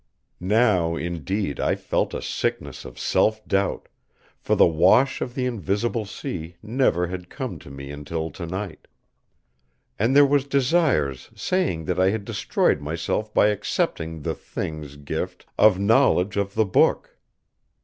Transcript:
Now indeed I felt a sickness of self doubt, for the wash of the invisible sea never had come to me until tonight. And there was Desire's saying that I had destroyed myself by accepting the Thing's gift of knowledge of the book.